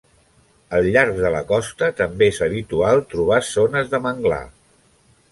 Al llarg de la costa també és habitual trobar zones de manglar.